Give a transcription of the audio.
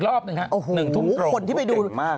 ลูกสาร๑๐๑